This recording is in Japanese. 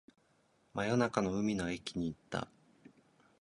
真夜中に海の駅に行った